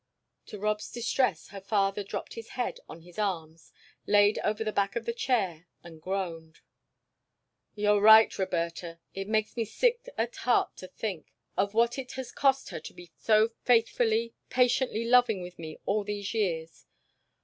To Rob's distress her father dropped his head on his arms, laid over the back of the chair, and groaned. "You're right, Roberta. It makes me sick at heart to think of what it has cost her to be so faithfully, patiently loving with me all these years.